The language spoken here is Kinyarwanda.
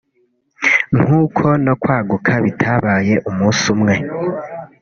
nkuko no kwaguka bitabaye umunsi umwe